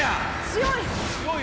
強い！